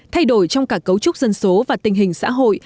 thay đổi trong cả cấu trúc dân số và tình hình xã hội